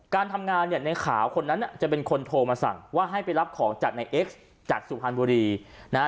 การทำงานเนี่ยในขาวคนนั้นจะเป็นคนโทรมาสั่งว่าให้ไปรับของจากในเอ็กซ์จากสุพรรณบุรีนะฮะ